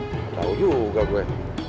gak tau juga gue